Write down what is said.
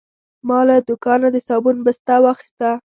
ما له دوکانه د صابون بسته واخیسته.